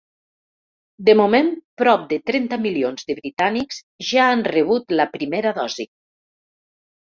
De moment, prop de trenta milions de britànics ja han rebut la primera dosi.